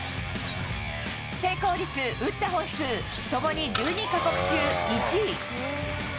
成功率、打った本数共に１２か国中１位。